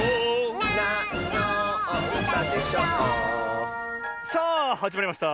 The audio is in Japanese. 「なんのうたでしょ」さあはじまりました